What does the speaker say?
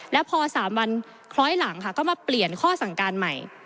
แล้วพอ๓วันคล้อยหลังค่ะก็มาเปลี่ยนข้อสั่งการใหม่